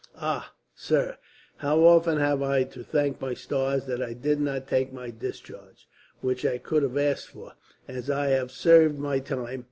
"Ah, sir, how often have I to thank my stars that I did not take my discharge! which I could have asked for, as I have served my time.